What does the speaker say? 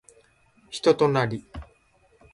人となり